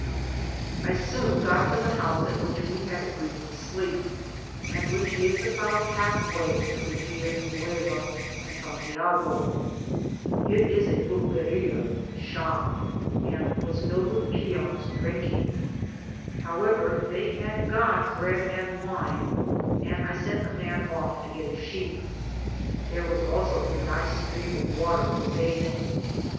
I soon got to the house at which we bad agreed to sleep, and which is about half way Digitized byGoogk 183 PASSAGE ACROSS between Villa Nueva and Santiago, It is a pul peria (shop), and was filled with peons drinking; however, they had got bread and wine, and I sent a man off to get a sheep ; there was also a nice stream of water for bathing.